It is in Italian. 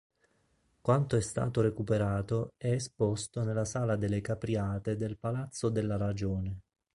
Quanto è stato recuperato è esposto nella Sala delle Capriate del Palazzo della Ragione.